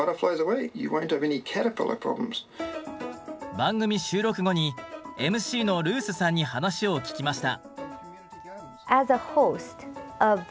番組収録後にＭＣのルースさんに話を聞きました。